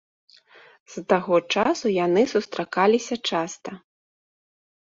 З таго часу яны сустракаліся часта.